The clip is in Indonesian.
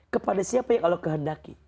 kepada siapa yang allah kehendaki